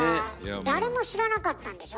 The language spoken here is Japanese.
誰も知らなかったんでしょ？